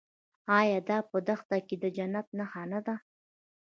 آیا دا په دښته کې د جنت نښه نه ده؟